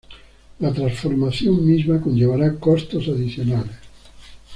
La transformación misma conllevará costos adicionales.